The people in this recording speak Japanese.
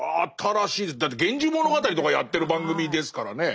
だって「源氏物語」とかやってる番組ですからね。